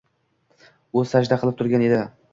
U sajda qilib turgan edi”